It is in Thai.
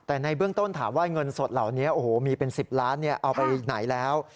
แต่ในเบื้องต้นถามว่าเงินสดเหล่านี้โอ้โหมีเป็น๑๐ล้านเอาไปไหนแล้ว